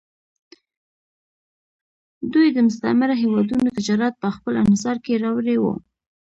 دوی د مستعمره هېوادونو تجارت په خپل انحصار کې راوړی و